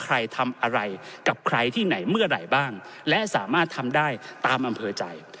ใครทำอะไรกับใครที่ไหนเมื่อไหร่บ้างและสามารถทำได้ตามอำเภอใจ